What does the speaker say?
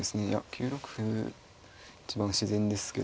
９六歩一番自然ですけど。